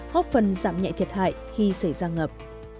góp phần giảm nhẹ thiệt hại khi xảy ra ngập